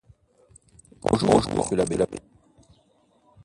Bonjour, monsieur l'abbé.